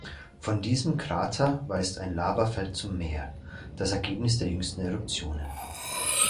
Von diesem Krater weist ein Lavafeld zum Meer, das Ergebnis der jüngsten Eruptionen.